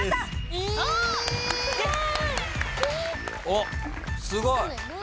おっすごい。